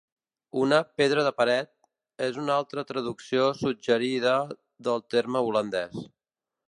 Una "pedra de paret" és una altra traducció suggerida del terme holandès.